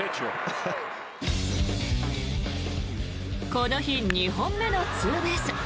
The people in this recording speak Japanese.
この日２本目のツーベース。